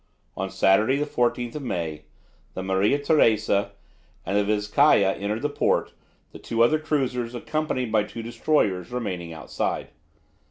On Saturday, 14 May, the "Maria Teresa" and the "Vizcaya" entered the port, the two other cruisers, accompanied by two destroyers, remaining outside.